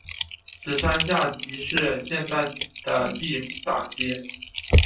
此山下即是现在的毕打街。